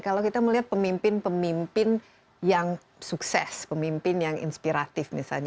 kalau kita melihat pemimpin pemimpin yang sukses pemimpin yang inspiratif misalnya